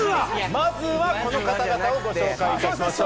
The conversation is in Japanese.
まずはこの方々をご紹介しましょう。